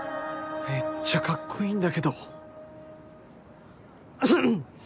めっちゃカッコいいんだけど。